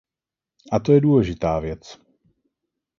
A to je důležitá věc.